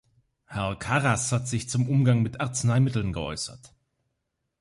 Herr Karas hat sich zum Umgang mit Arzneimitteln geäußert.